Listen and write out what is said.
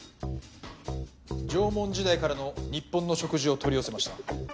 縄文時代からの日本の食事を取り寄せました。